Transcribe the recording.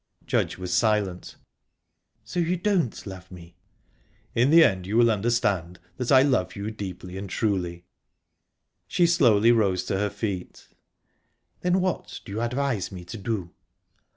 Judge was silent. "So you don't love me?" "In the end you will understand that I love you deeply and truly." She slowly rose to her feet. "Then what do you advise me to do?"